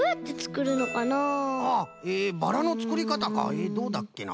えどうだっけな？